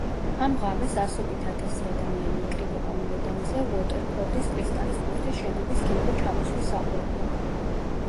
ამ ღამეს ასობით ათასი ადამიანი იკრიბება მოედანზე უოტერფორდის კრისტალის ბურთის შენობის ქიმზე ჩამოსვლის საყურებლად.